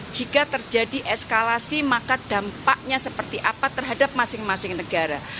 jika terjadi eskalasi maka dampaknya seperti apa terhadap masing masing negara